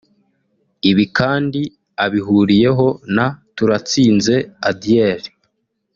Ibi kandi abihuriyeho na Turatsinze Adiel